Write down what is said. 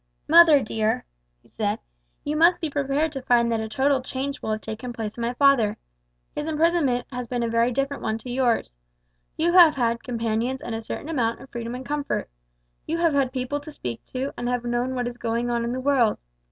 "Mother, dear," he said "you must be prepared to find that a total change will have taken place in my father. His imprisonment has been a very different one to yours. You have had companions and a certain amount of freedom and comfort. You have had people to speak to, and have known what is going on in the world.